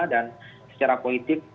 dan secara politik